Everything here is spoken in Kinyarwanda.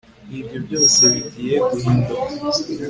ibyo byose bigiye guhinduka